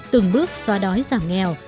từng bước xóa đói giảm nghèo